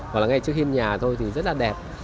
hoặc là ngay trước hiên nhà tôi thì rất là đẹp